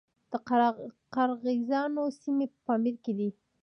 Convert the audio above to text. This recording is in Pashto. د قرغیزانو سیمې په پامیر کې دي